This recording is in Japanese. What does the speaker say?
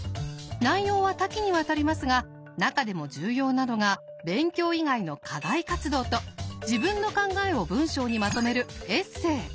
内容は多岐にわたりますが中でも重要なのが勉強以外の課外活動と自分の考えを文章にまとめるエッセー。